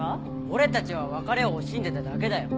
俺たちは別れを惜しんでただけだよ。